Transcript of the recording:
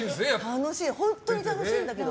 本当に楽しいんだけど。